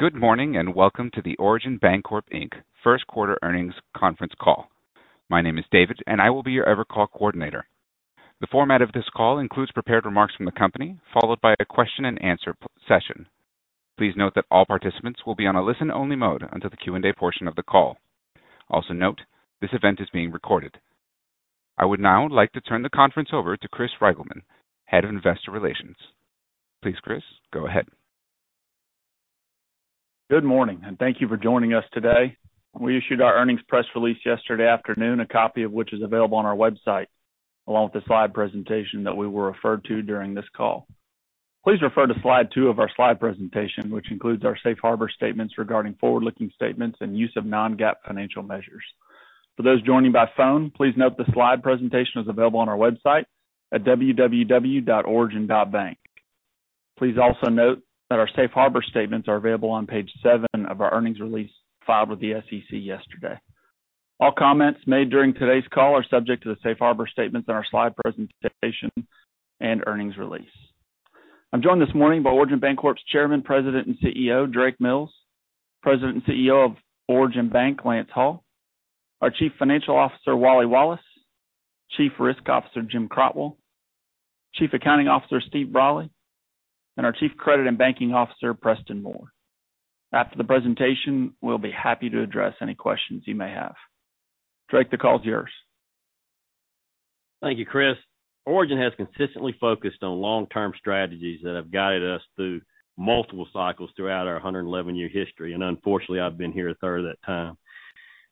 Good morning, welcome to the Origin Bancorp, Inc first quarter earnings conference call. My name is David, I will be your Evercall coordinator. The format of this call includes prepared remarks from the company, followed by a question and answer session. Please note that all participants will be on a listen-only mode until the Q&A portion of the call. Also note, this event is being recorded. I would now like to turn the conference over to Chris Reigelman, Head of Investor Relations. Please, Chris, go ahead. Good morning, thank you for joining us today. We issued our earnings press release yesterday afternoon, a copy of which is available on our website, along with the slide presentation that we will refer to during this call. Please refer to slide 2 of our slide presentation, which includes our safe harbor statements regarding forward-looking statements and use of non-GAAP financial measures. For those joining by phone, please note the slide presentation is available on our website at www.origin.bank. Please also note that our safe harbor statements are available on page 7 of our earnings release filed with the SEC yesterday. All comments made during today's call are subject to the safe harbor statements in our slide presentation and earnings release. I'm joined this morning by Origin Bancorp's Chairman, President, and CEO, Drake Mills. President and CEO of Origin Bank, Lance Hall. Our Chief Financial Officer, Wally Wallace, Chief Risk Officer, Jim Crotwell, Chief Accounting Officer, Steve Brolly, and our Chief Credit and Banking Officer, Preston Moore. After the presentation, we'll be happy to address any questions you may have. Drake, the call is yours. Thank you, Chris. Origin has consistently focused on long-term strategies that have guided us through multiple cycles throughout our 111-year history, and unfortunately, I've been here a third of that time.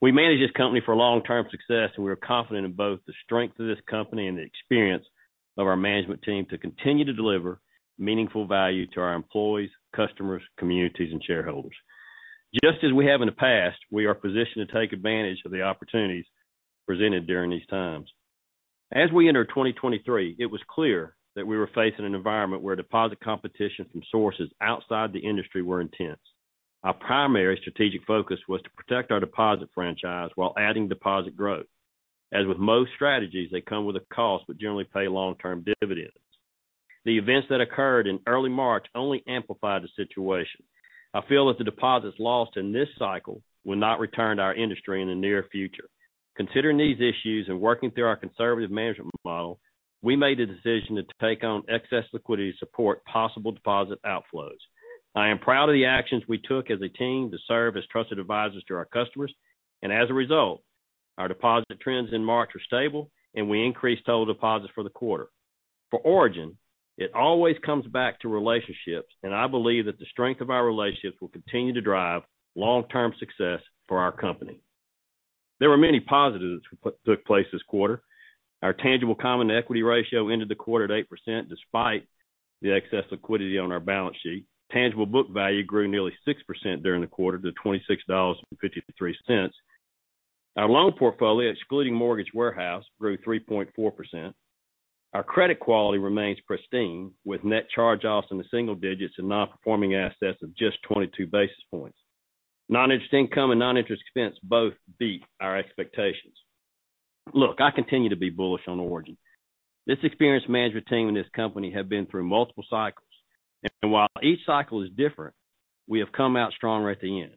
We manage this company for long-term success, and we are confident in both the strength of this company and the experience of our management team to continue to deliver meaningful value to our employees, customers, communities, and shareholders. Just as we have in the past, we are positioned to take advantage of the opportunities presented during these times. As we entered 2023, it was clear that we were facing an environment where deposit competition from sources outside the industry were intense. Our primary strategic focus was to protect our deposit franchise while adding deposit growth. As with most strategies, they come with a cost, but generally pay long-term dividends. The events that occurred in early March only amplified the situation. I feel that the deposits lost in this cycle will not return to our industry in the near future. Considering these issues and working through our conservative management model, we made a decision to take on excess liquidity to support possible deposit outflows. I am proud of the actions we took as a team to serve as trusted advisors to our customers, and as a result, our deposit trends in March are stable and we increased total deposits for the quarter. For Origin, it always comes back to relationships, and I believe that the strength of our relationships will continue to drive long-term success for our company. There were many positives that took place this quarter. Our tangible common equity ratio ended the quarter at 8% despite the excess liquidity on our balance sheet. Tangible book value grew nearly 6% during the quarter to $26.53. Our loan portfolio, excluding mortgage warehouse, grew 3.4%. Our credit quality remains pristine, with net charge-offs in the single digits and non-performing assets of just 22 basis points. Non-interest income and non-interest expense both beat our expectations. Look, I continue to be bullish on Origin. This experienced management team and this company have been through multiple cycles. While each cycle is different, we have come out stronger at the end.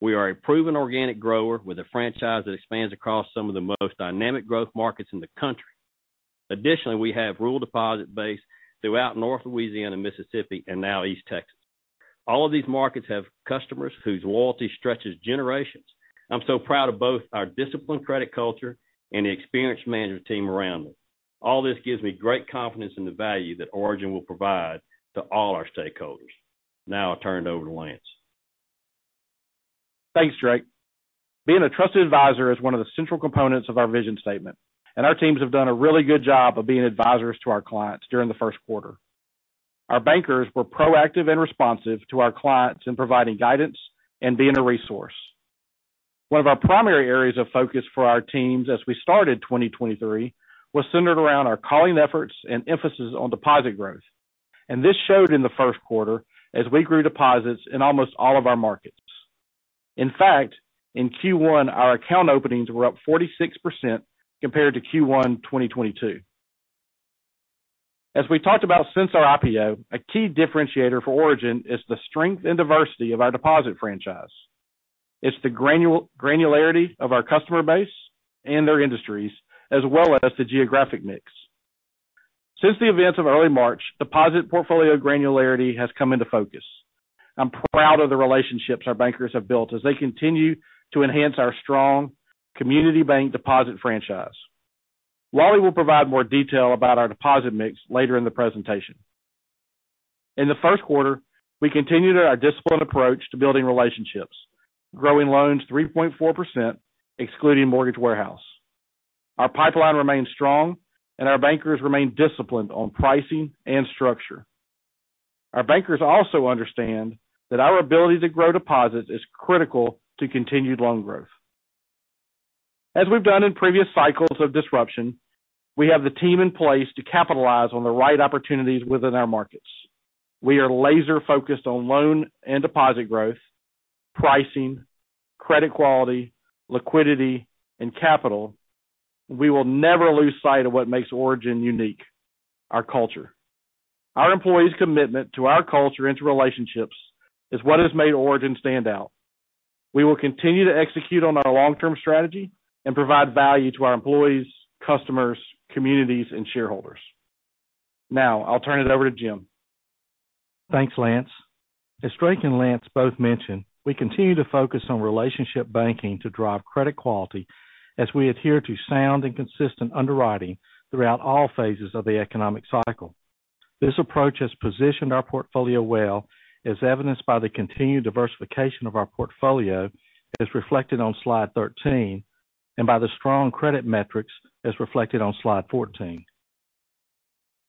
We are a proven organic grower with a franchise that expands across some of the most dynamic growth markets in the country. We have rural deposit base throughout North Louisiana, Mississippi, and now East Texas. All of these markets have customers whose loyalty stretches generations. I'm so proud of both our disciplined credit culture and the experienced management team around me. All this gives me great confidence in the value that Origin will provide to all our stakeholders. I turn it over to Lance. Thanks, Drake. Being a trusted advisor is one of the central components of our vision statement, and our teams have done a really good job of being advisors to our clients during the first quarter. Our bankers were proactive and responsive to our clients in providing guidance and being a resource. One of our primary areas of focus for our teams as we started 2023 was centered around our calling efforts and emphasis on deposit growth. This showed in the first quarter as we grew deposits in almost all of our markets. In fact, in Q1, our account openings were up 46% compared to Q1 2022. As we talked about since our IPO, a key differentiator for Origin is the granularity of our customer base and their industries, as well as the geographic mix. Since the events of early March, deposit portfolio granularity has come into focus. I'm proud of the relationships our bankers have built as they continue to enhance our strong community bank deposit franchise. Wally will provide more detail about our deposit mix later in the presentation. In the first quarter, we continued our disciplined approach to building relationships, growing loans 3.4%, excluding mortgage warehouse. Our pipeline remains strong and our bankers remain disciplined on pricing and structure. Our bankers also understand that our ability to grow deposits is critical to continued loan growth. As we've done in previous cycles of disruption, we have the team in place to capitalize on the right opportunities within our markets. We are laser-focused on loan and deposit growth, pricing, credit quality, liquidity, and capital. We will never lose sight of what makes Origin unique, our culture. Our employees' commitment to our culture into relationships is what has made Origin stand out. We will continue to execute on our long-term strategy and provide value to our employees, customers, communities, and shareholders. Now, I'll turn it over to Jim. Thanks, Lance. As Drake and Lance both mentioned, we continue to focus on relationship banking to drive credit quality as we adhere to sound and consistent underwriting throughout all phases of the economic cycle. This approach has positioned our portfolio well, as evidenced by the continued diversification of our portfolio, as reflected on slide 13, and by the strong credit metrics, as reflected on slide 14.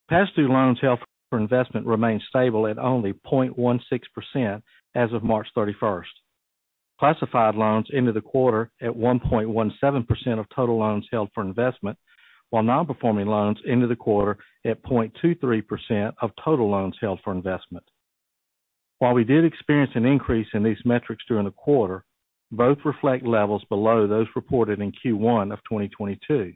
Past due loans held for investment remains stable at only 0.16% as of March thirty-first. Classified loans into the quarter at 1.17% of total loans held for investment, while non-performing loans into the quarter at 0.23% of total loans held for investment. While we did experience an increase in these metrics during the quarter, both reflect levels below those reported in Q1 of 2022.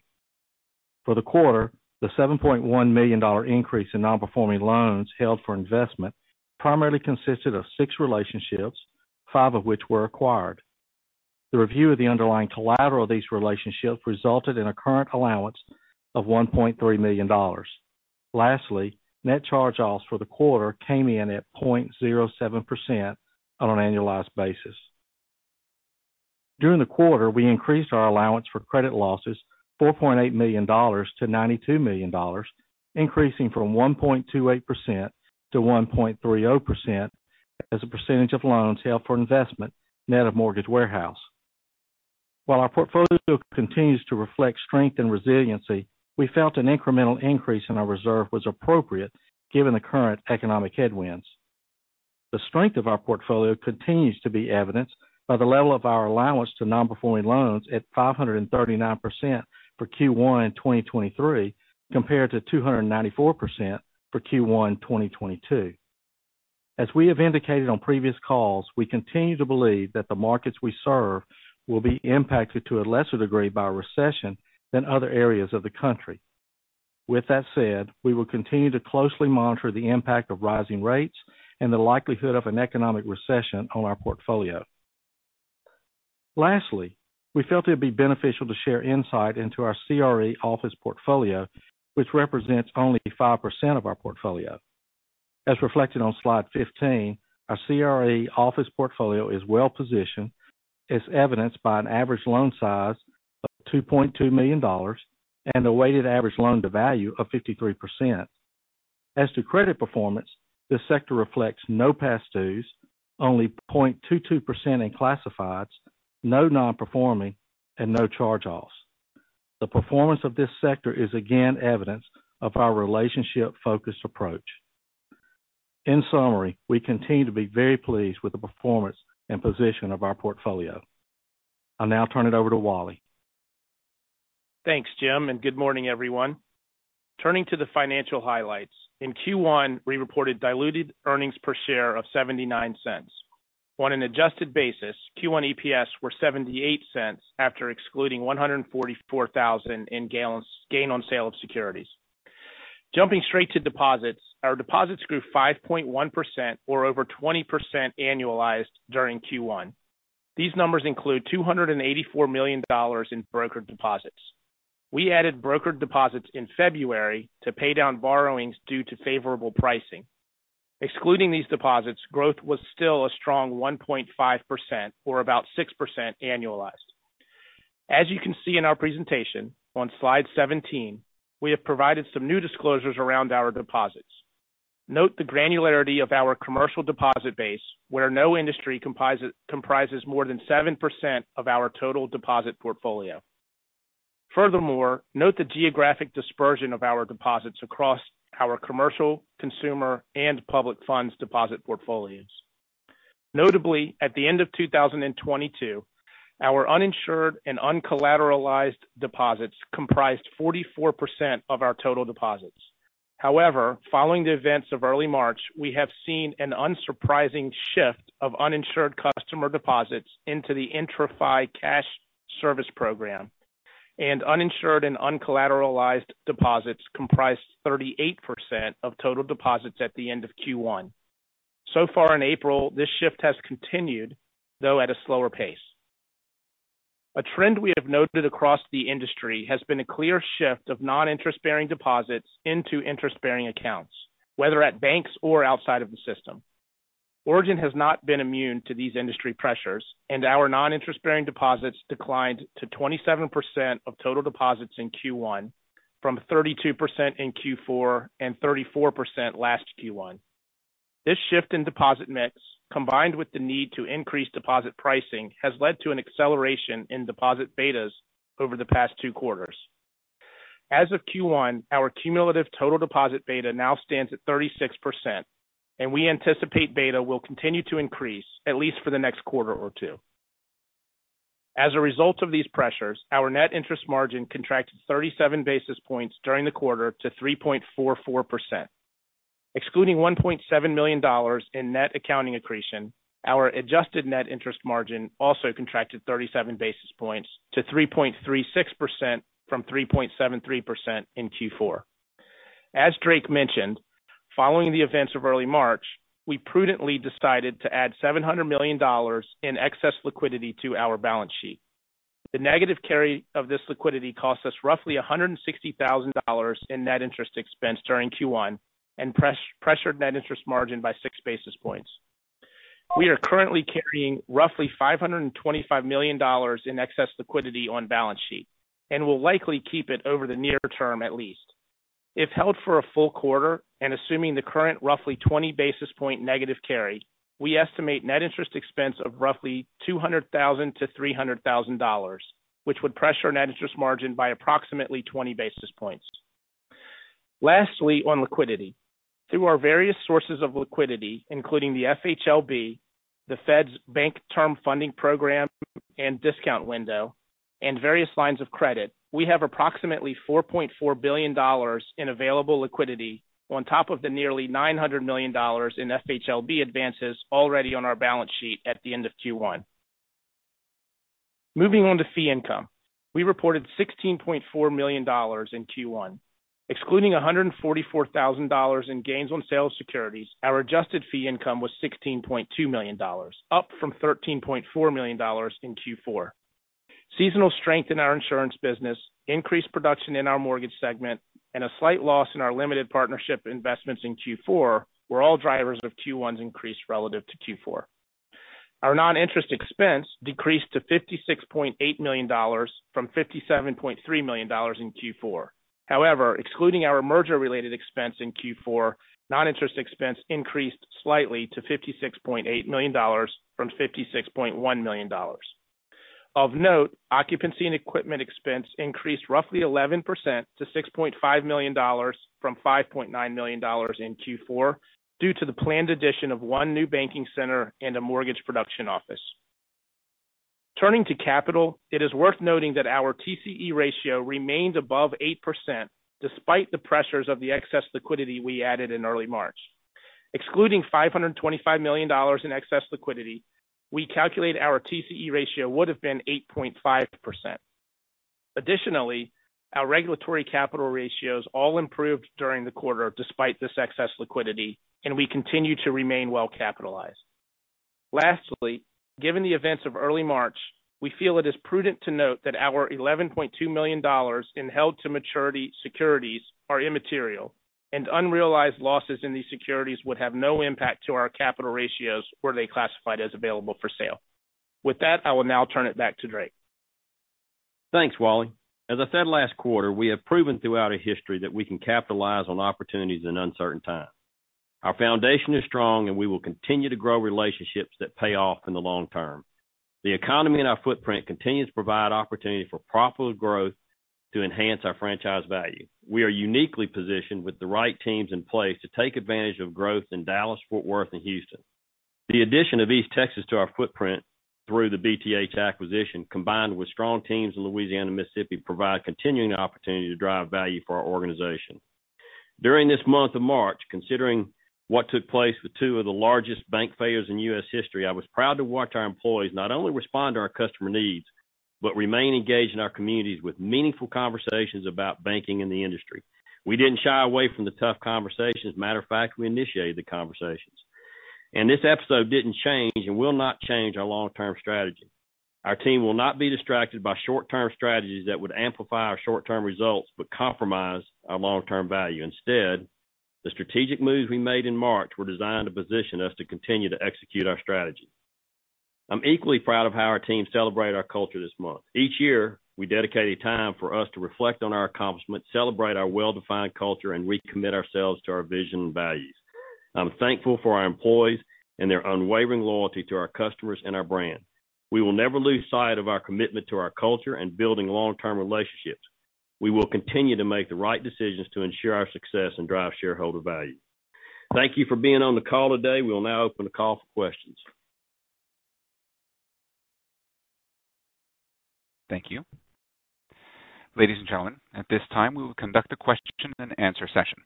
For the quarter, the $7.1 million increase in non-performing loans held for investment primarily consisted of six relationships, five of which were acquired. The review of the underlying collateral of these relationships resulted in a current allowance of $1.3 million. Lastly, net charge-offs for the quarter came in at 0.07% on an annualized basis. During the quarter, we increased our allowance for credit losses, $4.8 million to $92 million, increasing from 1.28% to 1.30% as a percentage of loans held for investment net of mortgage warehouse. While our portfolio continues to reflect strength and resiliency, we felt an incremental increase in our reserve was appropriate given the current economic headwinds. The strength of our portfolio continues to be evidenced by the level of our allowance to non-performing loans at 539% for Q1 2023, compared to 294% for Q1 2022. As we have indicated on previous calls, we continue to believe that the markets we serve will be impacted to a lesser degree by recession than other areas of the country. With that said, we will continue to closely monitor the impact of rising rates and the likelihood of an economic recession on our portfolio. Lastly, we felt it'd be beneficial to share insight into our CRE office portfolio, which represents only 5% of our portfolio. As reflected on slide 15, our CRE office portfolio is well-positioned, as evidenced by an average loan size of $2.2 million and a weighted average loan-to-value of 53%. As to credit performance, this sector reflects no past dues, only 0.22% in classifieds, no non-performing, and no charge-offs. The performance of this sector is again evidence of our relationship-focused approach. In summary, we continue to be very pleased with the performance and position of our portfolio. I'll now turn it over to Wally. Thanks, Jim, and good morning, everyone. Turning to the financial highlights. In Q1, we reported diluted earnings per share of $0.79. On an adjusted basis, Q1 EPS were $0.78 after excluding $144,000 in gain on sale of securities. Jumping straight to deposits. Our deposits grew 5.1% or over 20% annualized during Q1. These numbers include $284 million in brokered deposits. We added brokered deposits in February to pay down borrowings due to favorable pricing. Excluding these deposits, growth was still a strong 1.5% or about 6% annualized. As you can see in our presentation on slide 17, we have provided some new disclosures around our deposits. Note the granularity of our commercial deposit base, where no industry comprises more than 7% of our total deposit portfolio. Furthermore, note the geographic dispersion of our deposits across our commercial, consumer, and public funds deposit portfolios. Notably, at the end of 2022, our uninsured and uncollateralized deposits comprised 44% of our total deposits. However, following the events of early March, we have seen an unsurprising shift of uninsured customer deposits into the IntraFi Cash Service program, and uninsured and uncollateralized deposits comprised 38% of total deposits at the end of Q1. So far in April, this shift has continued, though at a slower pace. A trend we have noted across the industry has been a clear shift of non-interest-bearing deposits into interest-bearing accounts, whether at banks or outside of the system. Origin has not been immune to these industry pressures, and our non-interest-bearing deposits declined to 27% of total deposits in Q1 from 32% in Q4 and 34% last Q1. This shift in deposit mix, combined with the need to increase deposit pricing, has led to an acceleration in deposit betas over the past two quarters. As of Q1, our cumulative total deposit beta now stands at 36%. We anticipate beta will continue to increase at least for the next quarter or two. As a result of these pressures, our net interest margin contracted 37 basis points during the quarter to 3.44%. Excluding $1.7 million in net accounting accretion, our adjusted net interest margin also contracted 37 basis points to 3.36% from 3.73% in Q4. As Drake mentioned, following the events of early March, we prudently decided to add $700 million in excess liquidity to our balance sheet. The negative carry of this liquidity cost us roughly $160,000 in net interest expense during Q1 and pressured net interest margin by 6 basis points. We are currently carrying roughly $525 million in excess liquidity on balance sheet and will likely keep it over the near term at least. If held for a full quarter and assuming the current roughly 20 basis point negative carry, we estimate net interest expense of roughly $200,000-$300,000, which would pressure net interest margin by approximately 20 basis points. Lastly, on liquidity. Through our various sources of liquidity, including the FHLB, the Fed's Bank Term Funding Program and discount window, and various lines of credit, we have approximately $4.4 billion in available liquidity on top of the nearly $900 million in FHLB advances already on our balance sheet at the end of Q1. Moving on to fee income. We reported $16.4 million in Q1. Excluding $144,000 in gains on sale of securities, our adjusted fee income was $16.2 million, up from $13.4 million in Q4. Seasonal strength in our insurance business, increased production in our mortgage segment, and a slight loss in our limited partnership investments in Q4 were all drivers of Q1's increase relative to Q4. Our non-interest expense decreased to $56.8 million from $57.3 million in Q4. However, excluding our merger-related expense in Q4, non-interest expense increased slightly to $56.8 million from $56.1 million. Of note, occupancy and equipment expense increased roughly 11% to $6.5 million from $5.9 million in Q4 due to the planned addition of one new banking center and a mortgage production office. Turning to capital, it is worth noting that our TCE ratio remains above 8% despite the pressures of the excess liquidity we added in early March. Excluding $525 million in excess liquidity, we calculate our TCE ratio would have been 8.5%. Additionally, our regulatory capital ratios all improved during the quarter despite this excess liquidity, and we continue to remain well capitalized. Lastly, given the events of early March, we feel it is prudent to note that our $11.2 million in held to maturity securities are immaterial. Unrealized losses in these securities would have no impact to our capital ratios were they classified as available for sale. With that, I will now turn it back to Drake. Thanks, Wally. As I said last quarter, we have proven throughout our history that we can capitalize on opportunities in uncertain times. Our foundation is strong, and we will continue to grow relationships that pay off in the long term. The economy in our footprint continues to provide opportunity for profitable growth to enhance our franchise value. We are uniquely positioned with the right teams in place to take advantage of growth in Dallas, Fort Worth, and Houston. The addition of East Texas to our footprint through the BTH acquisition, combined with strong teams in Louisiana and Mississippi, provide continuing opportunity to drive value for our organization. During this month of March, considering what took place with two of the largest bank failures in U.S. history, I was proud to watch our employees not only respond to our customer needs, but remain engaged in our communities with meaningful conversations about banking in the industry. We didn't shy away from the tough conversations. Matter of fact, we initiated the conversations. This episode didn't change and will not change our long-term strategy. Our team will not be distracted by short-term strategies that would amplify our short-term results but compromise our long-term value. Instead, the strategic moves we made in March were designed to position us to continue to execute our strategy. I'm equally proud of how our team celebrated our culture this month. Each year, we dedicate a time for us to reflect on our accomplishments, celebrate our well-defined culture, and recommit ourselves to our vision and values. I'm thankful for our employees and their unwavering loyalty to our customers and our brand. We will never lose sight of our commitment to our culture and building long-term relationships. We will continue to make the right decisions to ensure our success and drive shareholder value. Thank you for being on the call today. We will now open the call for questions. Thank you. Ladies and gentlemen, at this time, we will conduct a question and answer session.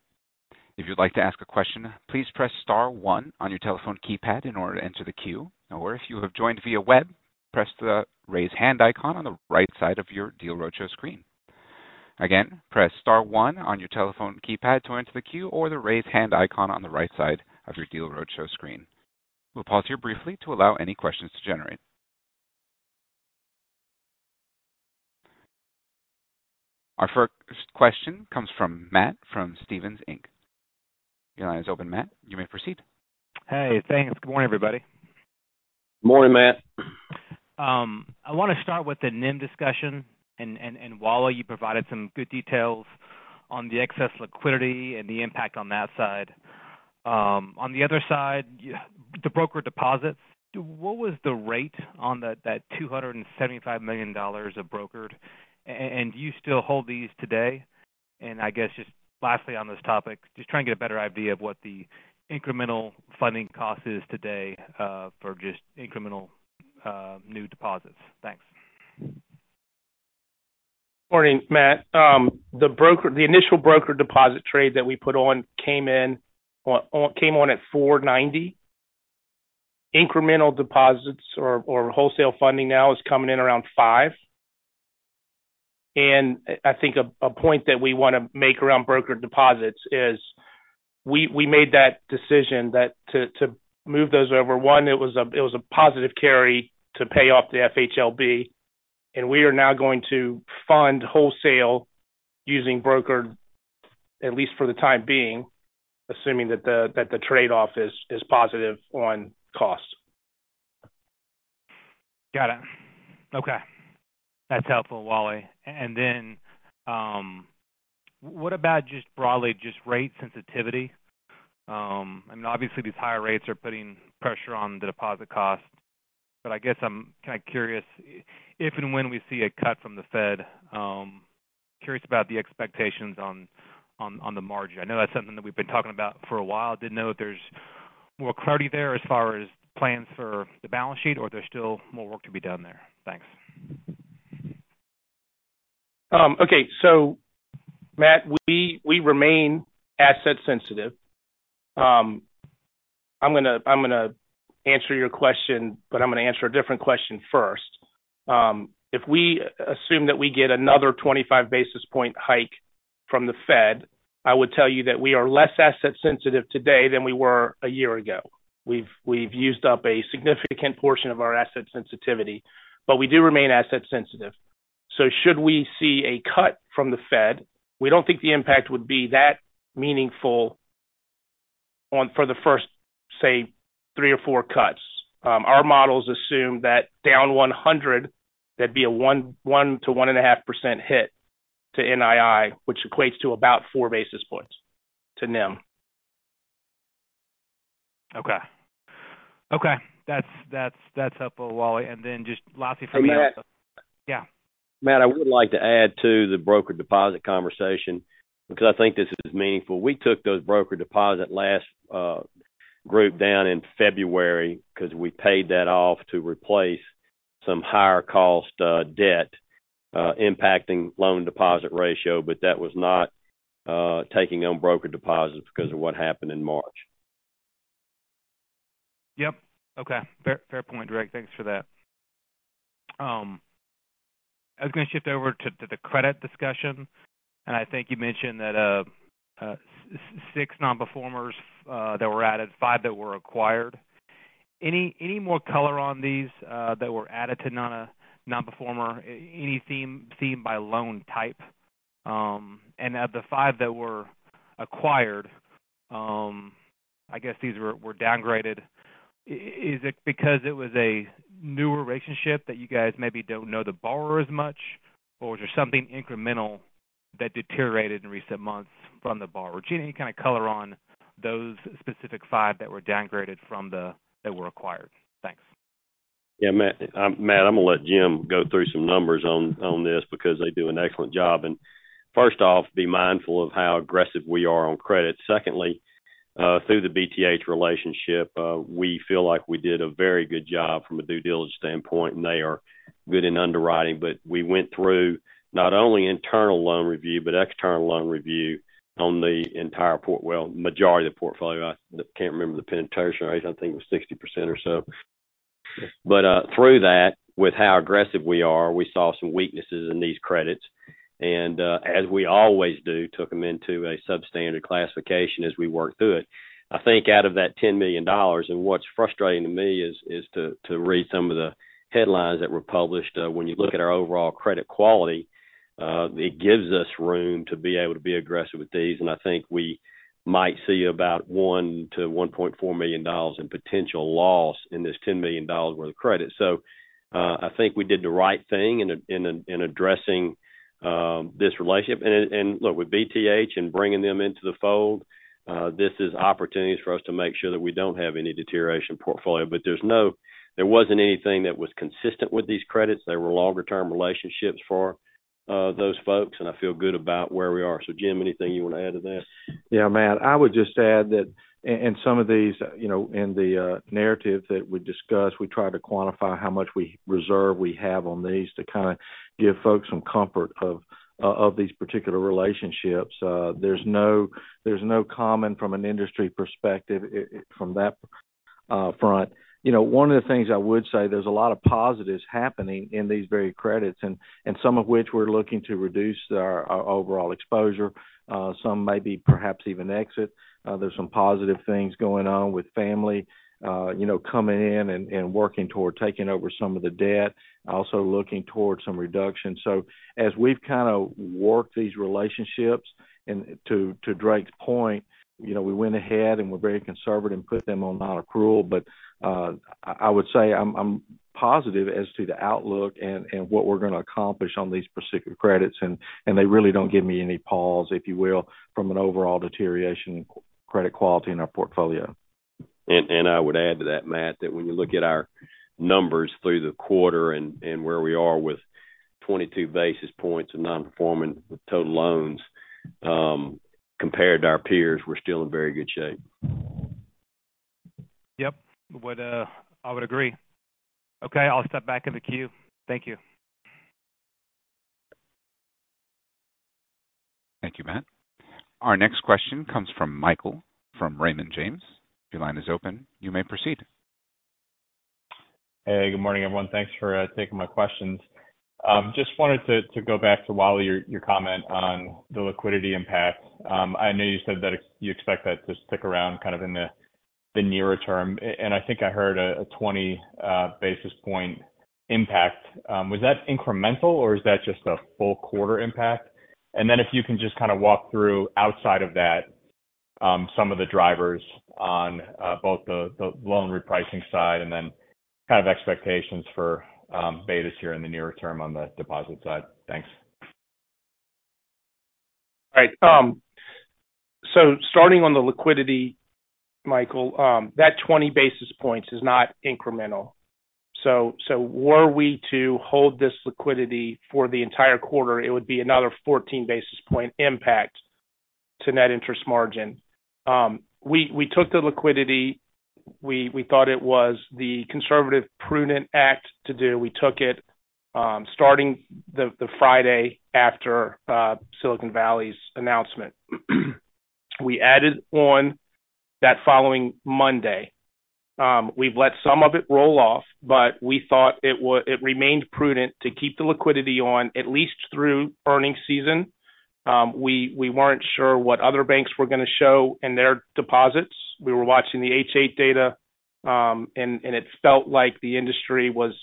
If you'd like to ask a question, please press star one on your telephone keypad in order to enter the queue. Or if you have joined via web, press the Raise Hand icon on the right side of your Deal Roadshow screen. Again, press star one on your telephone keypad to enter the queue or the Raise Hand icon on the right side of your Deal Roadshow screen. We'll pause here briefly to allow any questions to generate. Our first question comes from Matt from Stephens, Inc. Your line is open, Matt. You may proceed. Hey, thanks. Good morning, everybody. Morning, Matt. I want to start with the NIM discussion. Wally, you provided some good details on the excess liquidity and the impact on that side. On the other side, the broker deposits, what was the rate on that $275 million of brokered? Do you still hold these today? I guess just lastly on this topic, just trying to get a better idea of what the incremental funding cost is today, for just incremental, new deposits. Thanks. Morning, Matt. The initial broker deposit trade that we put on came on at 4.90%. Incremental deposits or wholesale funding now is coming in around 5.00%. I think a point that we want to make around broker deposits is we made that decision that to move those over. One, it was a positive carry to pay off the FHLB, and we are now going to fund wholesale using broker, at least for the time being, assuming that the trade-off is positive on cost. Got it. Okay. That's helpful, Wally. What about just broadly just rate sensitivity? I mean, obviously these higher rates are putting pressure on the deposit cost. I guess I'm kind of curious if and when we see a cut from the Fed, curious about the expectations on the margin. I know that's something that we've been talking about for a while. Didn't know if there's more clarity there as far as plans for the balance sheet or there's still more work to be done there. Thanks. Okay. Matt, we remain asset sensitive. I'm gonna answer your question, but I'm gonna answer a different question first. If we assume that we get another 25 basis point hike from the Fed, I would tell you that we are less asset sensitive today than we were a year ago. We've used up a significant portion of our asset sensitivity, but we do remain asset sensitive. Should we see a cut from the Fed, we don't think the impact would be that meaningful for the first, say, three or four cuts. Our models assume that down 100, that'd be a 1-1.5% hit to NII, which equates to about 4 basis points to NIM. Okay. Okay. That's helpful, Wally. Just lastly from me. Matt. Yeah. Matt, I would like to add to the broker deposit conversation because I think this is meaningful. We took those broker deposit last group down in February because we paid that off to replace some higher cost debt impacting loan deposit ratio. That was not taking on broker deposits because of what happened in March. Yep. Okay. Fair, fair point, Drake. Thanks for that. I was going to shift over to the credit discussion. I think you mentioned that 6 nonperformers that were added, 5 that were acquired. Any more color on these that were added to nonperformer? Any theme seen by loan type? Of the 5 that were acquired, I guess these were downgraded. Is it because it was a newer relationship that you guys maybe don't know the borrower as much, or was there something incremental that deteriorated in recent months from the borrower? Just any kind of color on those specific 5 that were downgraded that were acquired. Thanks. Yeah. Matt, I'm going to let Jim go through some numbers on this because they do an excellent job. First off, be mindful of how aggressive we are on credit. Secondly, through the BTH relationship, we feel like we did a very good job from a due diligence standpoint, and they are good in underwriting. We went through not only internal loan review, but external loan review on the majority of the portfolio. I can't remember the penetration rate. I think it was 60% or so. Through that, with how aggressive we are, we saw some weaknesses in these credits, and as we always do, took them into a substandard classification as we work through it. I think out of that $10 million, what's frustrating to me is to read some of the headlines that were published. When you look at our overall credit quality, it gives us room to be able to be aggressive with these. I think we might see about $1 million-$1.4 million in potential loss in this $10 million worth of credit. I think we did the right thing in addressing this relationship. Look, with BTH and bringing them into the fold, this is opportunities for us to make sure that we don't have any deterioration portfolio. There wasn't anything that was consistent with these credits. They were longer term relationships for those folks, and I feel good about where we are. Jim, anything you want to add to that? Matt, I would just add that in some of these, you know, in the narrative that we discuss, we try to quantify how much we reserve we have on these to kind of give folks some comfort of these particular relationships. There's no, there's no comment from an industry perspective from that front. You know, one of the things I would say, there's a lot of positives happening in these very credits and some of which we're looking to reduce our overall exposure, some maybe perhaps even exit. There's some positive things going on with family, you know, coming in and working toward taking over some of the debt, also looking towards some reduction. As we've kind of worked these relationships, and to Drake's point, you know, we went ahead and were very conservative and put them on nonaccrual. I would say I'm positive as to the outlook and what we're going to accomplish on these particular credits. They really don't give me any pause, if you will, from an overall deterioration in credit quality in our portfolio. I would add to that, Matt, that when you look at our numbers through the quarter and where we are with 22 basis points of non-performing total loans, compared to our peers, we're still in very good shape. Yep. Would, I would agree. Okay, I'll step back in the queue. Thank you. Thank you, Matt. Our next question comes from Michael from Raymond James. Your line is open. You may proceed. Hey, good morning, everyone. Thanks for taking my questions. Just wanted to go back to Wally, your comment on the liquidity impact. I know you said that you expect that to stick around kind of in the nearer term. I think I heard a 20 basis point impact. Was that incremental, or is that just a full quarter impact? If you can just kind of walk through outside of that, some of the drivers on both the loan repricing side and then kind of expectations for betas here in the nearer term on the deposit side. Thanks. Right. Starting on the liquidity, Michael, that 20 basis points is not incremental. Were we to hold this liquidity for the entire quarter, it would be another 14 basis point impact to net interest margin. We took the liquidity. We thought it was the conservative, prudent act to do. We took it starting the Friday after Silicon Valley's announcement. We added on that following Monday. We've let some of it roll off, but we thought it remained prudent to keep the liquidity on at least through earnings season. We weren't sure what other banks were gonna show in their deposits. We were watching the H8 data, and it felt like the industry was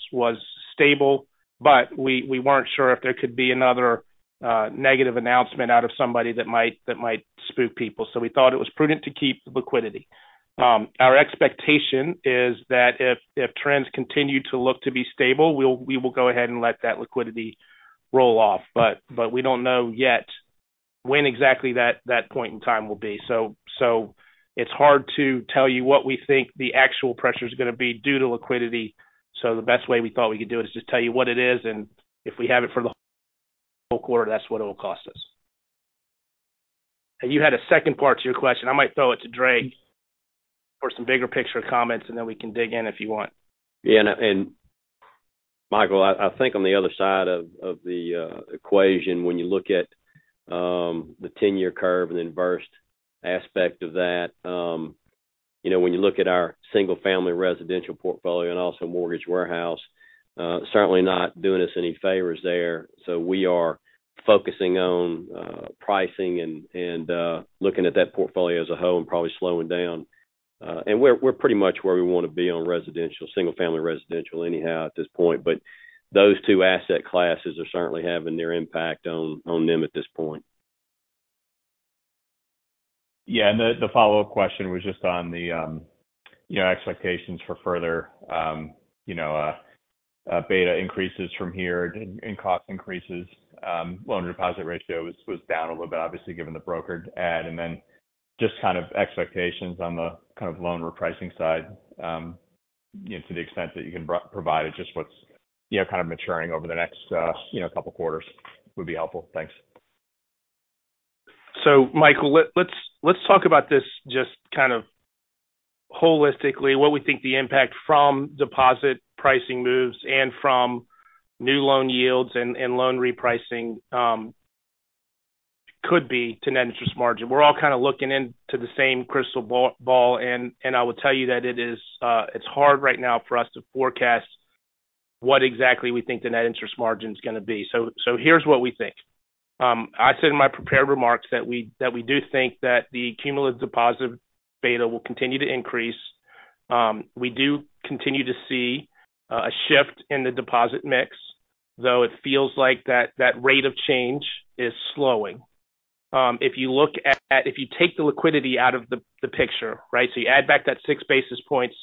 stable, but we weren't sure if there could be another negative announcement out of somebody that might spook people. We thought it was prudent to keep the liquidity. Our expectation is that if trends continue to look to be stable, we will go ahead and let that liquidity roll off. But we don't know yet when exactly that point in time will be. It's hard to tell you what we think the actual pressure is gonna be due to liquidity. The best way we thought we could do it is just tell you what it is, and if we have it for the whole quarter, that's what it will cost us. You had a second part to your question. I might throw it to Drake for some bigger picture comments, and then we can dig in if you want. Yeah. Michael, I think on the other side of the equation, when you look at the ten-year curve and the inverse aspect of that, you know, when you look at our single-family residential portfolio and also mortgage warehouse, certainly not doing us any favors there. We are focusing on pricing and looking at that portfolio as a whole and probably slowing down. We're pretty much where we want to be on single-family residential anyhow at this point. Those two asset classes are certainly having their impact on NIM at this point. Yeah. The follow-up question was just on the, you know, expectations for further, you know, beta increases from here and cost increases. Loan deposit ratio was down a little bit, obviously, given the brokered add. Then just kind of expectations on the kind of loan repricing side, you know, to the extent that you can provide just what's, you know, kind of maturing over the next, you know, couple quarters would be helpful. Thanks. Michael, let's talk about this just kind of holistically, what we think the impact from deposit pricing moves and from new loan yields and loan repricing could be to net interest margin. We're all kind of looking into the same crystal ball, and I will tell you that it is, it's hard right now for us to forecast what exactly we think the net interest margin is gonna be. Here's what we think. I said in my prepared remarks that we do think that the cumulative deposit beta will continue to increase. We do continue to see a shift in the deposit mix, though it feels like that rate of change is slowing. If you take the liquidity out of the picture, right? You add back that 6 basis points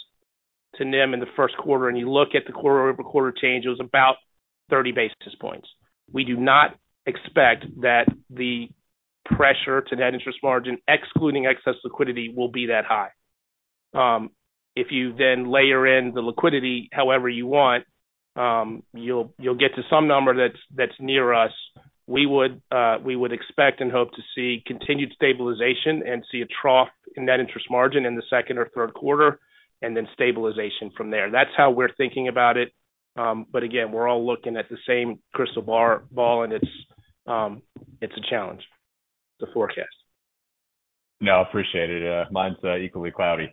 to NIM in the first quarter and you look at the quarter-over-quarter change, it was about 30 basis points. We do not expect that the pressure to net interest margin, excluding excess liquidity, will be that high. If you then layer in the liquidity however you want, you'll get to some number that's near us. We would expect and hope to see continued stabilization and see a trough in net interest margin in the second or third quarter and then stabilization from there. That's how we're thinking about it. Again, we're all looking at the same crystal ball, and it's a challenge to forecast. No, appreciate it. Mine's equally cloudy.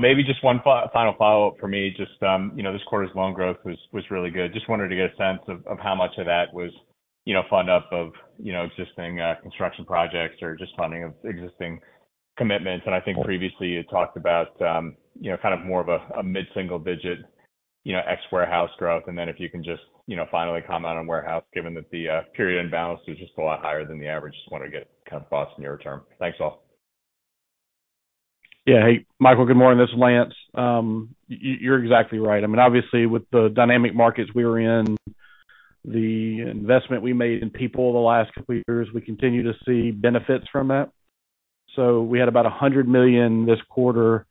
Maybe just one final follow-up for me. Just, you know, this quarter's loan growth was really good. Just wanted to get a sense of how much of that was, you know, fund up of, you know, existing construction projects or just funding of existing commitments. I think previously you talked about, you know, kind of more of a mid-single digit, you know, ex-warehouse growth. Then if you can just, you know, finally comment on warehouse, given that the period imbalance was just a lot higher than the average. Just wanted to get kind of thoughts near term. Thanks, all. Yeah. Hey, Michael, good morning. This is Lance. You're exactly right. I mean, obviously with the dynamic markets we're in, the investment we made in people the last couple of years, we continue to see benefits from that. we had about $100 million this quarter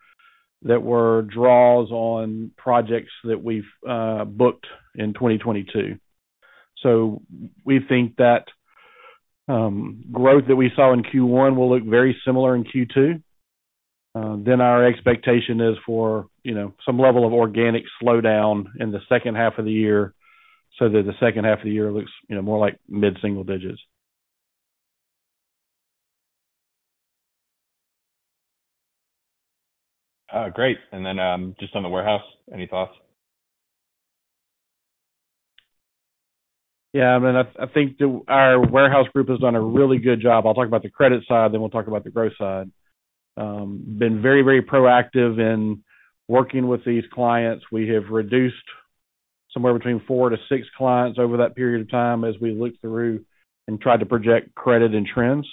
that were draws on projects that we've booked in 2022. we think that growth that we saw in Q1 will look very similar in Q2. our expectation is for, you know, some level of organic slowdown in the second half of the year, so that the second half of the year looks, you know, more like mid-single digits. Great. Then, just on the warehouse, any thoughts? Yeah, I mean, I think our warehouse group has done a really good job. I'll talk about the credit side, then we'll talk about the growth side. Been very proactive in working with these clients. We have reduced somewhere between four to six clients over that period of time as we looked through and tried to project credit and trends.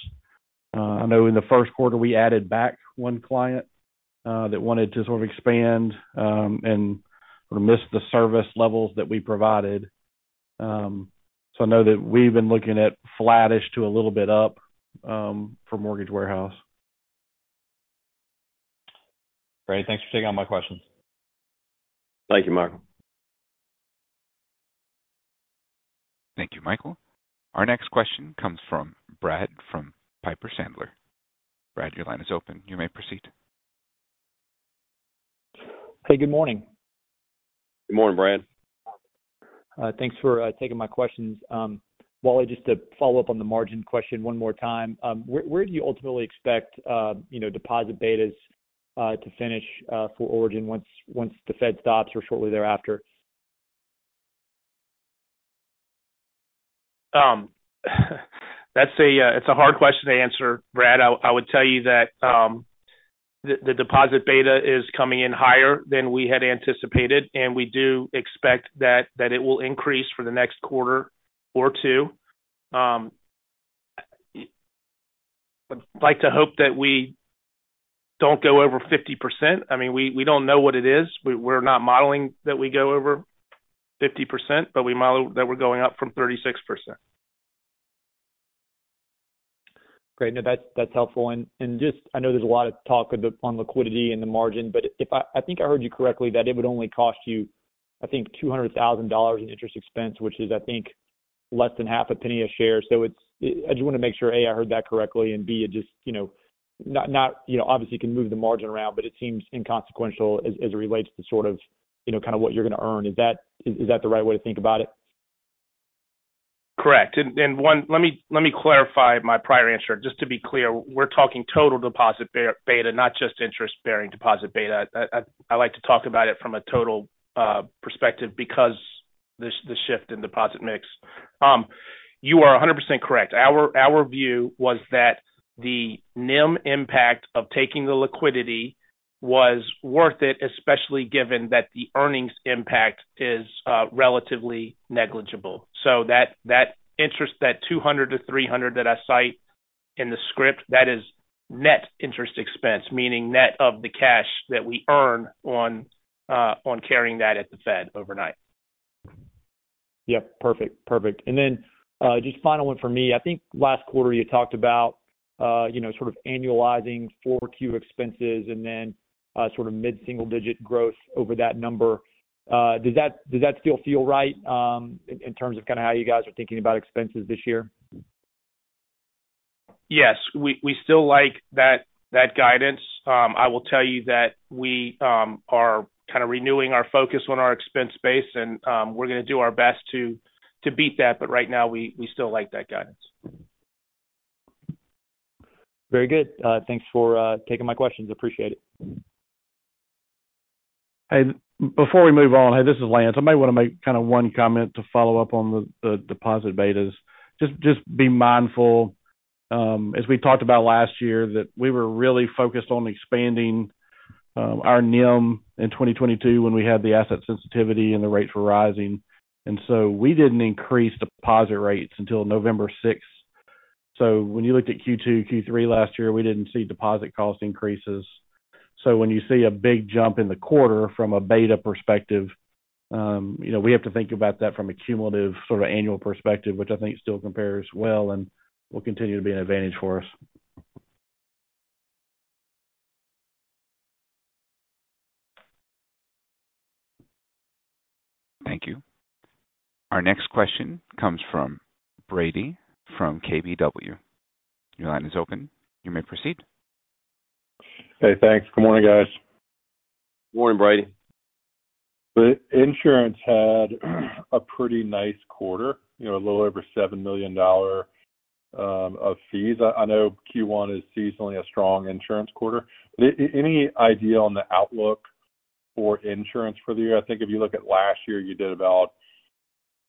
I know in the first quarter, we added back one client that wanted to sort of expand and sort of missed the service levels that we provided. I know that we've been looking at flattish to a little bit up for mortgage warehouse. Great. Thanks for taking all my questions. Thank you, Michael. Thank you, Michael. Our next question comes from Brad from Piper Sandler. Brad, your line is open. You may proceed. Hey, good morning. Good morning, Brad. Thanks for taking my questions. Wally, just to follow up on the margin question one more time. Where do you ultimately expect, you know, deposit betas, to finish, for Origin once the Fed stops or shortly thereafter? That's a hard question to answer, Brad. I would tell you that the deposit beta is coming in higher than we had anticipated, and we do expect that it will increase for the next quarter or two. I'd like to hope that we don't go over 50%. I mean, we don't know what it is. We're not modeling that we go over 50%, but we model that we're going up from 36%. Great. No, that's helpful. just I know there's a lot of talk on the, on liquidity and the margin, but I think I heard you correctly that it would only cost you, I think, $200,000 in interest expense, which is, I think, less than half a penny a share. I just wanna make sure, A, I heard that correctly, and B, it just, you know, not, you know, obviously you can move the margin around, but it seems inconsequential as it relates to sort of, you know, kind of what you're gonna earn. Is that, is that the right way to think about it? Correct. Let me clarify my prior answer. Just to be clear, we're talking total deposit beta, not just interest-bearing deposit beta. I like to talk about it from a total perspective because the shift in deposit mix. You are 100% correct. Our view was that the NIM impact of taking the liquidity was worth it, especially given that the earnings impact is relatively negligible. That interest, that $200-$300 that I cite in the script, that is net interest expense, meaning net of the cash that we earn on carrying that at the Fed overnight. Yeah. Perfect. Perfect. Then, just final one for me. I think last quarter you talked about, you know, sort of annualizing 4Q expenses and then, sort of mid-single-digit growth over that number. Does that still feel right, in terms of kinda how you guys are thinking about expenses this year? Yes. We still like that guidance. I will tell you that we are kind of renewing our focus on our expense base and we're gonna do our best to beat that. Right now, we still like that guidance. Very good. Thanks for taking my questions. Appreciate it. Before we move on, hey, this is Lance. I might wanna make kinda one comment to follow up on the deposit betas. Just be mindful, as we talked about last year, that we were really focused on expanding our NIM in 2022 when we had the asset sensitivity and the rates were rising. We didn't increase deposit rates until November 6th. When you looked at Q2, Q3 last year, we didn't see deposit cost increases. When you see a big jump in the quarter from a beta perspective, you know, we have to think about that from a cumulative sort of annual perspective, which I think still compares well and will continue to be an advantage for us. Thank you. Our next question comes from Brady from KBW. Your line is open. You may proceed. Hey, thanks. Good morning, guys. Good morning, Brady. The insurance had a pretty nice quarter, you know, a little over $7 million of fees. I know Q1 is seasonally a strong insurance quarter. Any idea on the outlook for insurance for the year? I think if you look at last year, you did about,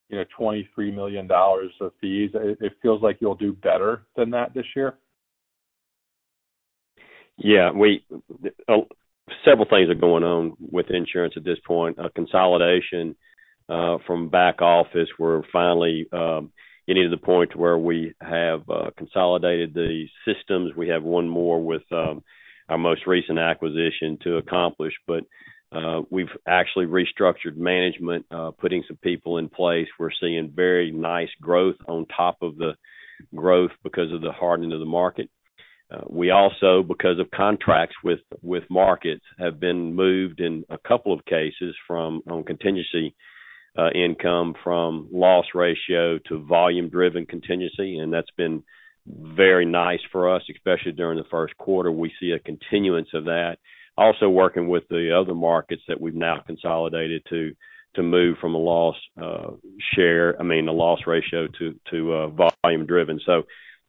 you know, $23 million of fees. It feels like you'll do better than that this year. Yeah. Several things are going on with insurance at this point. A consolidation from back office, we're finally getting to the point where we have consolidated the systems. We have one more with our most recent acquisition to accomplish. We've actually restructured management, putting some people in place. We're seeing very nice growth on top of the growth because of the hardening of the market. We also, because of contracts with markets, have been moved in a couple of cases from on contingency income from loss ratio to volume-driven contingency. That's been very nice for us, especially during the first quarter. We see a continuance of that. Working with the other markets that we've now consolidated to move from a loss share, I mean, a loss ratio to volume-driven.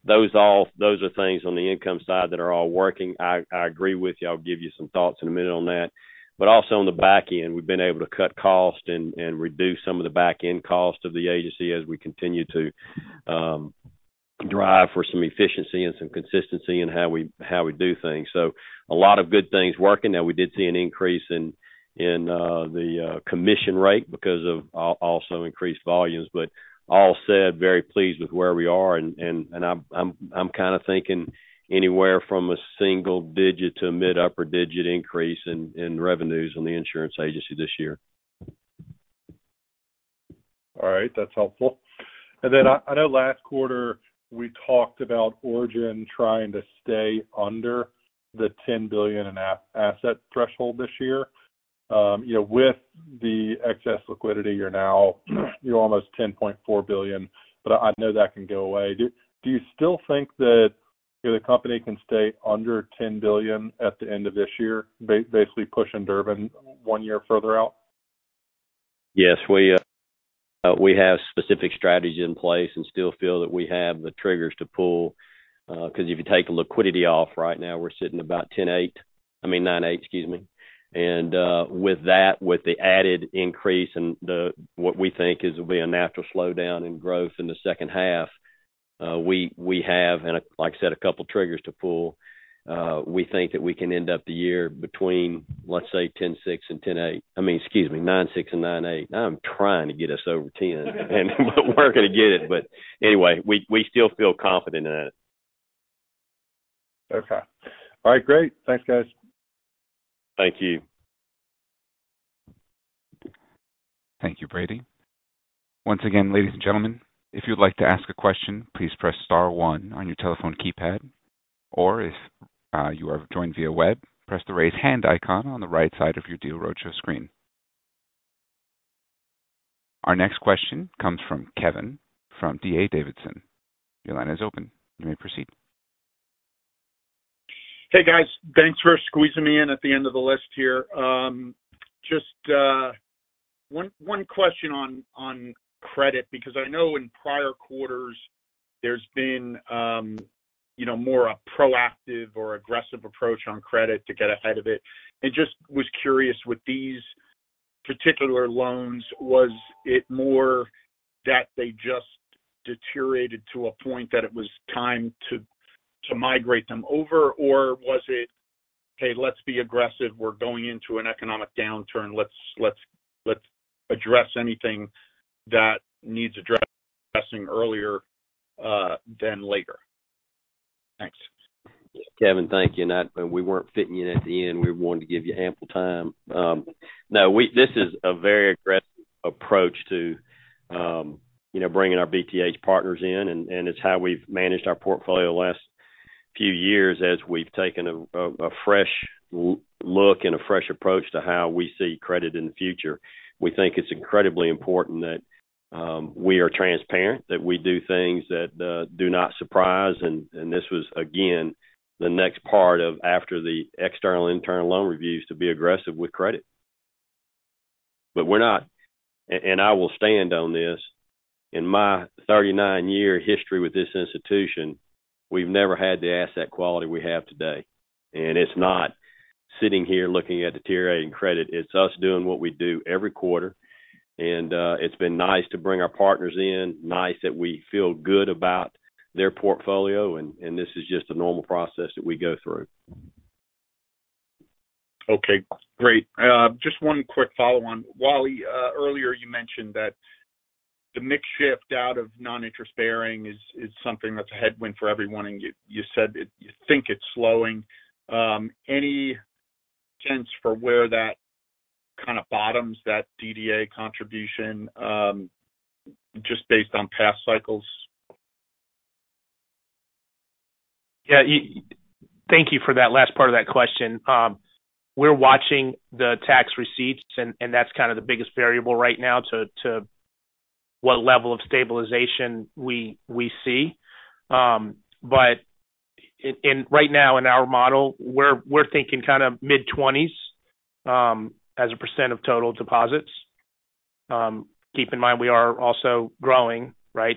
Those are things on the income side that are all working. I agree with you. I'll give you some thoughts in a minute on that. Also on the back end, we've been able to cut cost and reduce some of the back-end cost of the agency as we continue to drive for some efficiency and some consistency in how we do things. A lot of good things working. Now, we did see an increase in the commission rate because of also increased volumes. All said, very pleased with where we are. I'm kinda thinking anywhere from a single-digit to a mid-upper-digit increase in revenues on the insurance agency this year. All right. That's helpful. Then I know last quarter we talked about Origin trying to stay under the $10 billion in asset threshold this year. You know, with the excess liquidity, you're almost $10.4 billion, but I know that can go away. Do you still think that, you know, the company can stay under $10 billion at the end of this year, basically pushing Durbin one year further out? Yes. We have specific strategies in place and still feel that we have the triggers to pull. Because if you take the liquidity off right now, we're sitting about 10.8%. I mean, 9.8%, excuse me. With that, with the added increase in what we think is will be a natural slowdown in growth in the second half, we have, and like I said, a couple of triggers to pull. We think that we can end up the year between, let's say, 10.6% and 10.8%. I mean, excuse me, between 9.6% and 9.8%. Now I'm trying to get us over 10%. We're gonna get it. Anyway, we still feel confident in it. Okay. All right, great. Thanks, guys. Thank you. Thank you, Brady. Once again, ladies and gentlemen, if you'd like to ask a question, please press star one on your telephone keypad. Or if you are joined via web, press the Raise Hand icon on the right side of your Deal Roadshow screen. Our next question comes from Kevin from D.A. Davidson. Your line is open. You may proceed. Hey, guys. Thanks for squeezing me in at the end of the list here. just one question on credit, because I know in prior quarters there's been, you know, more a proactive or aggressive approach on credit to get ahead of it. I just was curious with these particular loans, was it more that they just deteriorated to a point that it was time to migrate them over, or was it, hey, let's be aggressive, we're going into an economic downturn, let's address anything that needs addressing earlier than later? Thanks. Kevin. Thank you. We weren't fitting you in at the end. We wanted to give you ample time. no, this is a very aggressive approach to, you know, bringing our BTH partners in, and it's how we've managed our portfolio the last few years as we've taken a fresh look and a fresh approach to how we see credit in the future. We think it's incredibly important that we are transparent, that we do things that do not surprise. This was, again, the next part of after the external internal loan reviews to be aggressive with credit. We're not, and I will stand on this. In my 39 year history with this institution, we've never had the asset quality we have today. It's not sitting here looking at deteriorating credit. It's us doing what we do every quarter. It's been nice to bring our partners in, nice that we feel good about their portfolio, and this is just a normal process that we go through. Okay, great. just one quick follow on. Wally, earlier you mentioned that the mix shift out of non-interest bearing is something that's a headwind for everyone. You said you think it's slowing. Any sense for where that kinda bottoms that DDA contribution, just based on past cycles? Yeah. Thank you for that last part of that question. We're watching the tax receipts, and that's kind of the biggest variable right now to what level of stabilization we see. In, right now in our model, we're thinking kind of mid-20s, as a % of total deposits. Keep in mind, we are also growing, right?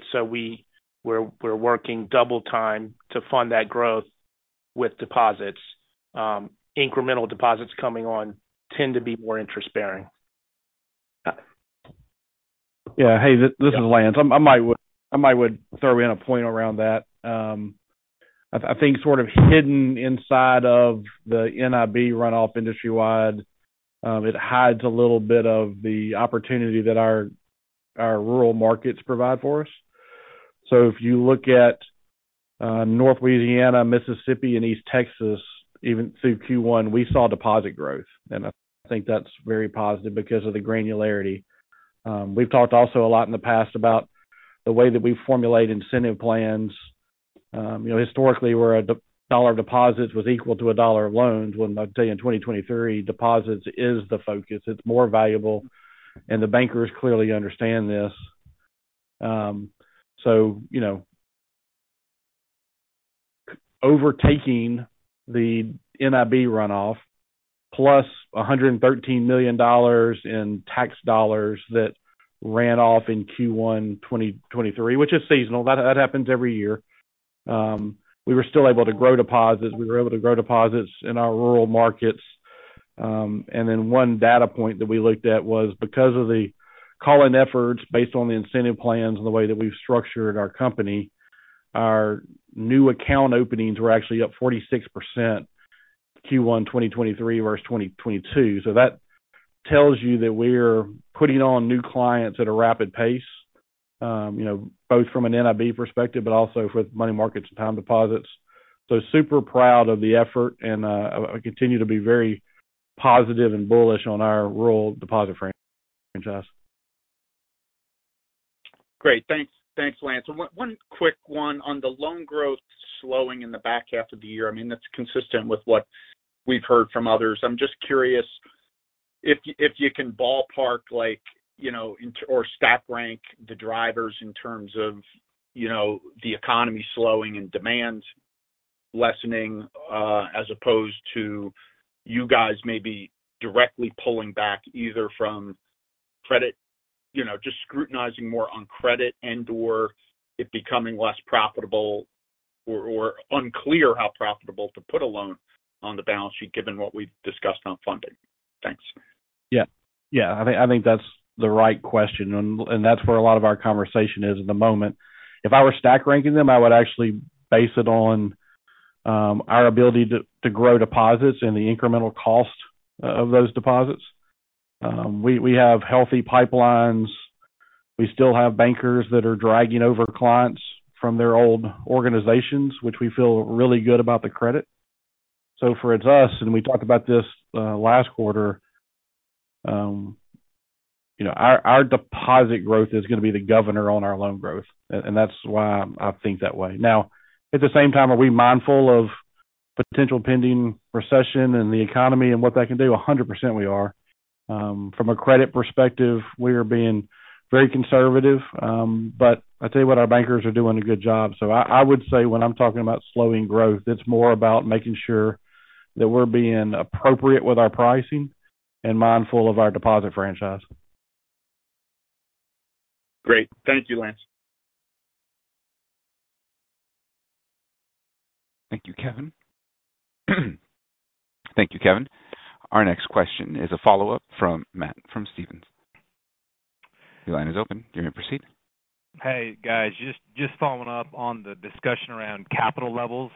We're working double time to fund that growth with deposits. Incremental deposits coming on tend to be more interest-bearing. Yeah. Hey, this is Lance. I might would throw in a point around that. I think sort of hidden inside of the NIB runoff industry-wide, it hides a little bit of the opportunity that our rural markets provide for us. If you look at North Louisiana, Mississippi and East Texas, even through Q1, we saw deposit growth. I think that's very positive because of the granularity. We've talked also a lot in the past about The way that we formulate incentive plans, you know, historically, where a dollar of deposits was equal to a dollar of loans, well, I'll tell you in 2023, deposits is the focus. It's more valuable, and the bankers clearly understand this. You know. Overtaking the NIB runoff, plus $113 million in tax dollars that ran off in Q1 2023, which is seasonal, that happens every year. We were still able to grow deposits. We were able to grow deposits in our rural markets. And then one data point that we looked at was because of the call-in efforts based on the incentive plans and the way that we've structured our company, our new account openings were actually up 46% Q1 2023 versus 2022. That tells you that we're putting on new clients at a rapid pace, you know, both from an NIB perspective, but also for money markets and time deposits. Super proud of the effort and I continue to be very positive and bullish on our rural deposit franchise. Great. Thanks, thanks, Lance. One quick one on the loan growth slowing in the back half of the year. I mean, that's consistent with what we've heard from others. I'm just curious if you can ballpark, like, you know, or stack rank the drivers in terms of, you know, the economy slowing and demand lessening, as opposed to you guys maybe directly pulling back either from credit, you know, just scrutinizing more on credit and/or it becoming less profitable or unclear how profitable to put a loan on the balance sheet given what we've discussed on funding. Thanks. Yeah. Yeah, I think that's the right question. That's where a lot of our conversation is at the moment. If I were stack ranking them, I would actually base it on our ability to grow deposits and the incremental cost of those deposits. We have healthy pipelines. We still have bankers that are dragging over clients from their old organizations, which we feel really good about the credit. For it's us, and we talked about this last quarter, you know, our deposit growth is gonna be the governor on our loan growth. That's why I think that way. Now, at the same time, are we mindful of potential pending recession and the economy and what that can do? 100% we are. From a credit perspective, we are being very conservative. I tell you what, our bankers are doing a good job. I would say when I'm talking about slowing growth, it's more about making sure that we're being appropriate with our pricing and mindful of our deposit franchise. Great. Thank you, Lance. Thank you, Kevin. Our next question is a follow-up from Matt from Stephens. Your line is open. You may proceed. Hey, guys. Just following up on the discussion around capital levels,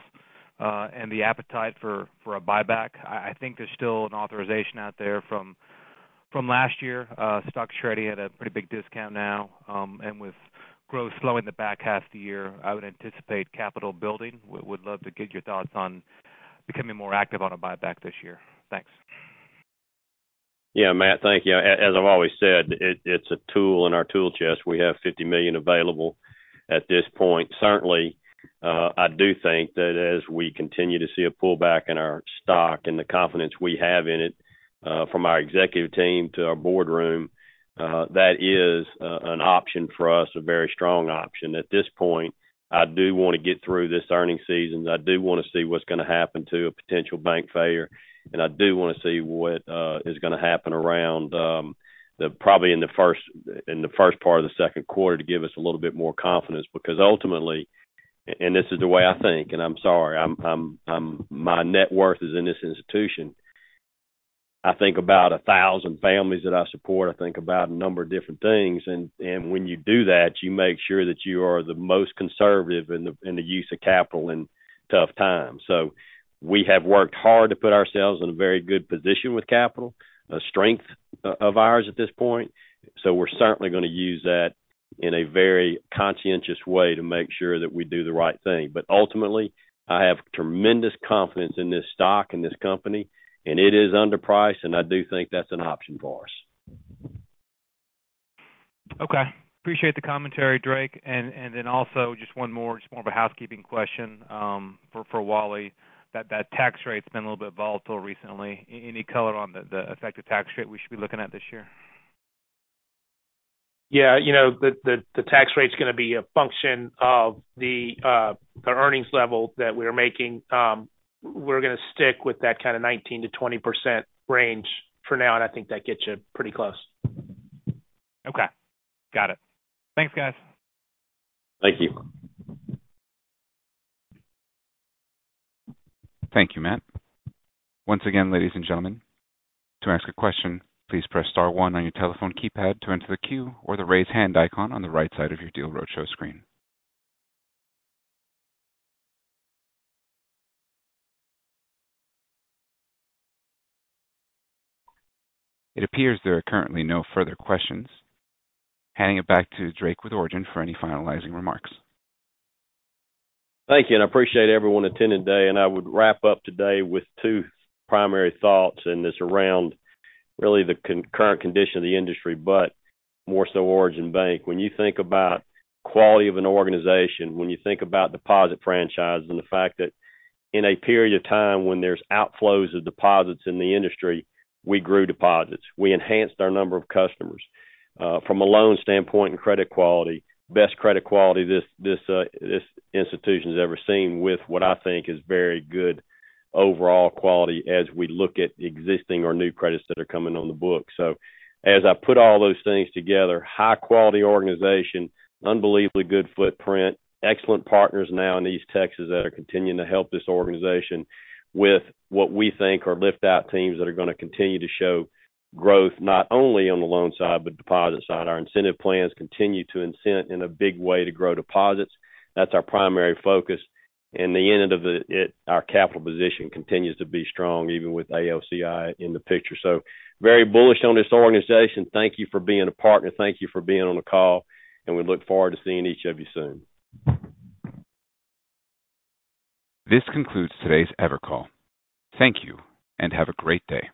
and the appetite for a buyback. I think there's still an authorization out there from last year. Stock's trading at a pretty big discount now. With growth slowing the back half of the year, I would anticipate capital building. Would love to get your thoughts on becoming more active on a buyback this year. Thanks. Yeah. Matt, thank you. As I've always said, it's a tool in our tool chest. We have $50 million available at this point. Certainly, I do think that as we continue to see a pullback in our stock and the confidence we have in it, from our executive team to our boardroom, that is an option for us, a very strong option. At this point, I do wanna get through this earning season. I do wanna see what's gonna happen to a potential bank failure, and I do wanna see what is gonna happen around probably in the first part of the second quarter to give us a little bit more confidence. Ultimately, and this is the way I think, and I'm sorry, my net worth is in this institution. I think about 1,000 families that I support. I think about a number of different things. When you do that, you make sure that you are the most conservative in the, in the use of capital in tough times. We have worked hard to put ourselves in a very good position with capital, a strength of ours at this point. We're certainly gonna use that in a very conscientious way to make sure that we do the right thing. Ultimately, I have tremendous confidence in this stock and this company, and it is underpriced, and I do think that's an option for us. Okay. Appreciate the commentary, Drake. Then also just one more, just more of a housekeeping question for Wally. That tax rate's been a little bit volatile recently. Any color on the effective tax rate we should be looking at this year? Yeah. You know, the tax rate's gonna be a function of the earnings level that we are making. We're gonna stick with that kind of 19%-20% range for now. I think that gets you pretty close. Okay. Got it. Thanks, guys. Thank you. Thank you, Matt. Once again, ladies and gentlemen, to ask a question, please press star one on your telephone keypad to enter the queue, or the Raise Hand icon on the right side of your Deal Roadshow screen. It appears there are currently no further questions. Handing it back to Drake with Origin for any finalizing remarks. Thank you, and I appreciate everyone attending today. I would wrap up today with two primary thoughts, and it's around really the current condition of the industry, but more so Origin Bank. When you think about quality of an organization, when you think about deposit franchise and the fact that in a period of time when there's outflows of deposits in the industry, we grew deposits. We enhanced our number of customers. From a loan standpoint and credit quality, best credit quality this institution's ever seen with what I think is very good overall quality as we look at existing or new credits that are coming on the book. As I put all those things together, high quality organization, unbelievably good footprint, excellent partners now in East Texas that are gonna continue to help this organization with what we think are lift out teams that are gonna continue to show growth not only on the loan side, but deposit side. Our incentive plans continue to incent in a big way to grow deposits. That's our primary focus. In the end, it, our capital position continues to be strong even with AOCI in the picture. Very bullish on this organization. Thank you for being a partner. Thank you for being on the call, and we look forward to seeing each of you soon. This concludes today's Evercall. Thank you, and have a great day.